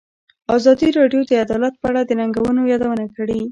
ازادي راډیو د عدالت په اړه د ننګونو یادونه کړې.